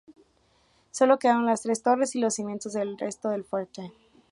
Solo quedaron las tres torres y los cimientos del resto del fuerte.